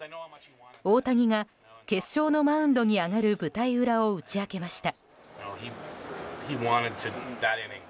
大谷が決勝のマウンドに上がる舞台裏を打ち明けました。